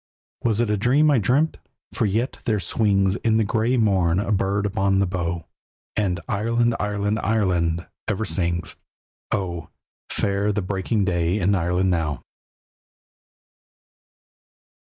Was it a dream I dreamt? For yet there swings In the grey morn a bird upon the bough, And "Ireland! Ireland! Ireland!" ever sings. Oh! fair the breaking day in Ireland now.